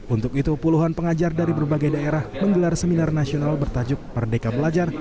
untuk itu puluhan pengajar dari berbagai daerah menggelar seminar nasional bertajuk merdeka belajar